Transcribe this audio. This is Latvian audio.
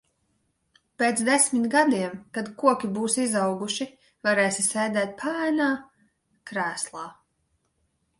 Pēc desmit gadiem kad koki būs izauguši, varēsi sēdēt paēnā, krēslā.